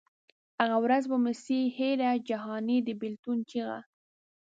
هغه ورځ به مي سي هېره جهاني د بېلتون چیغه